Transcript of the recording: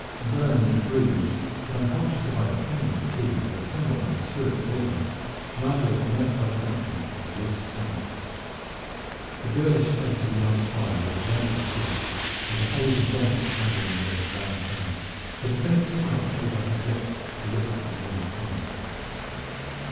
Burned and bruised, but unconscious of either pain or fatigue for the turmoil of his spirit within him, Nigel knelt by the Frenchman and loosened his helmet. The girlish face of the young Squire was white as chalk, and the haze of death was gathering over his violet eyes, but a faint smile played round his lips as he looked up at his English comrade.